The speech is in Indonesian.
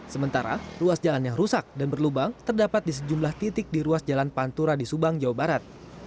sementara ruas jalan yang rusak dan berlubang terdapat di sejumlah titik di ruas jalan pantura di subang jawa barat